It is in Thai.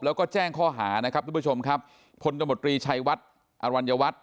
แล้วก็แจ้งข้อหานะครับทุกผู้ชมครับพลตมตรีชัยวัดอรัญวัฒน์